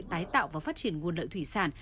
tái tạo và phát triển nguồn lợi thủy sản